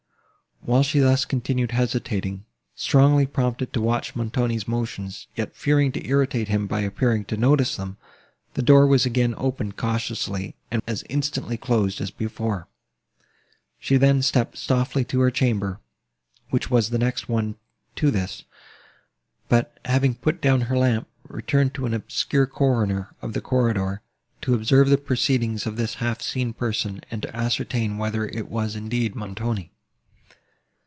While she thus continued hesitating, strongly prompted to watch Montoni's motions, yet fearing to irritate him by appearing to notice them, the door was again opened cautiously, and as instantly closed as before. She then stepped softly to her chamber, which was the next but one to this, but, having put down her lamp, returned to an obscure corner of the corridor, to observe the proceedings of this half seen person, and to ascertain, whether it was indeed Montoni.